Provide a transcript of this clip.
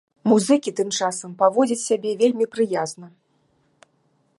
Музыкі тым часам паводзяць сябе вельмі прыязна.